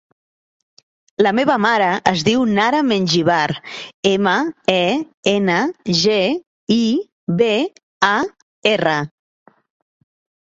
La meva mare es diu Nara Mengibar: ema, e, ena, ge, i, be, a, erra.